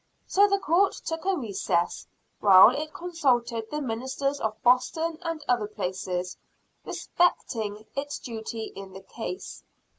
So the Court took a recess, while it consulted the ministers of Boston and other places, respecting its duty in the case.